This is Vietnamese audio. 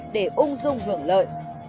để ung dung hưởng lợi